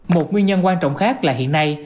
một nguyên nhân quan trọng khác là hiện nay